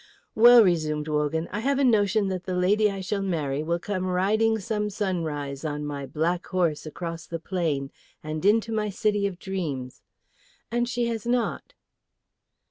"Well," resumed Wogan, "I have a notion that the lady I shall marry will come riding some sunrise on my black horse across the plain and into my city of dreams. And she has not."